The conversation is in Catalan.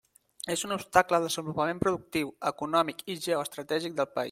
És un obstacle al desenvolupament productiu, econòmic i geoestratègic del país.